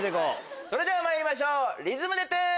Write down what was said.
それではまいりましょうリズムｄｅトゥース！